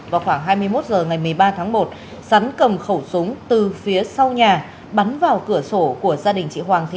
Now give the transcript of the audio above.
vào khoảng hai mươi một h ngày một mươi ba tháng một sắn cầm khẩu súng từ phía sau nhà bắn vào cửa sổ của gia đình chị hoàng thị